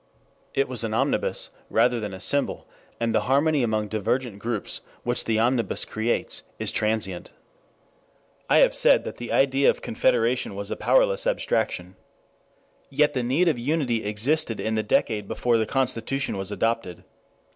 It was an omnibus, rather than a symbol, and the harmony among divergent groups, which the omnibus creates, is transient. I have said that the idea of confederation was a powerless abstraction. Yet the need of unity existed in the decade before the Constitution was adopted.